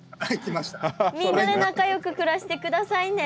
みんなで仲良く暮らして下さいね。